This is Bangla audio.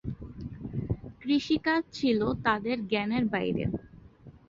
কৃষিকাজ ছিল তাদের জ্ঞানের বাইরে।